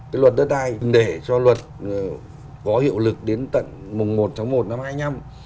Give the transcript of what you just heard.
cái luật đất đai để cho luật có hiệu lực đến tận một tháng một năm hai nghìn hai mươi năm